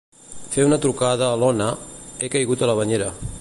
Fer una trucada a l'Ona; he caigut a la banyera.